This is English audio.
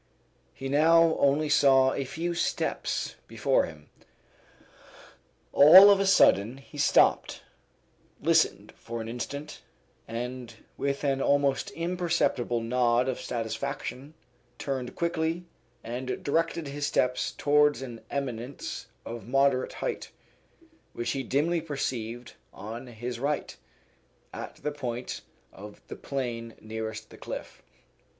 He now only saw a few steps before him. All of a sudden he stopped, listened for an instant, and with an almost imperceptible nod of satisfaction turned quickly and directed his steps towards an eminence of moderate height, which he dimly perceived on his right, at the point of the plain nearest the cliff.